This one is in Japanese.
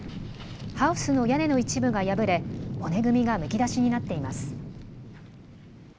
ハウスの屋根の一部が破れ、骨組みがむき出しになっています。